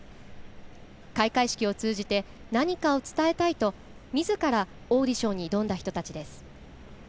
「開会式を通じて何かを伝えたい」とみずから、オーディションに挑んだ人たちです。